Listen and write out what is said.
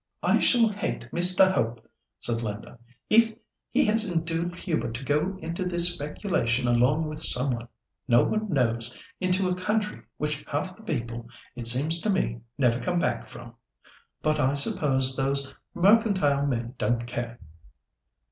"I shall hate Mr. Hope," said Linda, "if he has induced Hubert to go into this speculation along with some one no one knows, into a country which half the people, it seems to me, never come back from. But I suppose those mercantile men don't care."